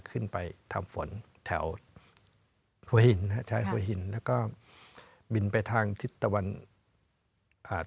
ขึ้นไปทำฝนแถวหัวหินนะฮะชายหัวหินแล้วก็บินไปทางทิศตะวันอ่า